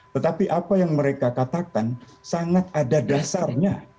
tetapi apa yang mereka katakan sangat ada dasarnya